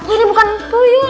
eh aku ini bukan tuyul